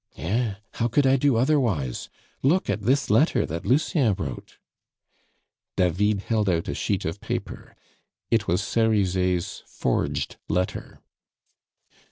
"Eh! how could I do otherwise? Look at this letter that Lucien wrote." David held out a sheet of paper. It was Cerizet's forged letter.